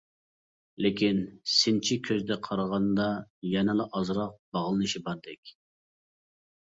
لېكىن سىنچى كۆزدە قارىغاندا يەنىلا ئازراق باغلىنىشى باردەك!